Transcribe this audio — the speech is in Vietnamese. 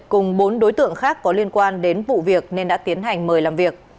cùng bốn đối tượng khác có liên quan đến vụ việc nên đã tiến hành mời làm việc